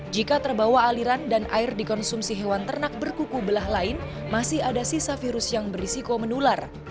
jika terbawa aliran dan air dikonsumsi hewan ternak berkuku belah lain masih ada sisa virus yang berisiko menular